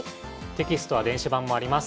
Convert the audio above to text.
テキストは電子版もあります。